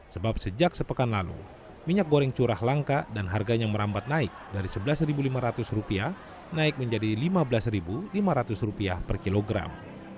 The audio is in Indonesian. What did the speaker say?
sebab sejak sepekan lalu minyak goreng curah langka dan harganya merambat naik dari rp sebelas lima ratus naik menjadi rp lima belas lima ratus per kilogram